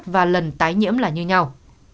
và lần tái nhiễm là như nhau